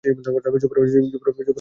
যুবরাজ যে পালাইয়া গেল!